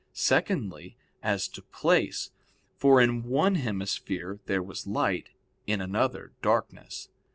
Secondly, as to place, for in one hemisphere there was light, in the other darkness.